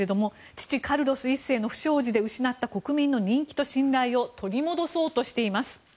父カルロス１世の不祥事で失った国民の人気と信頼を取り戻そうとしています。